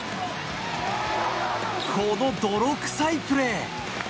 この泥臭いプレー。